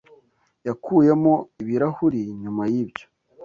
Yakuyemo ibirahuri nyuma yibyo.